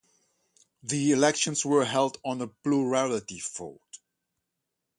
The elections were held under plurality vote.